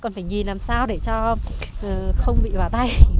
còn phải nhìn làm sao để cho không bị vào tay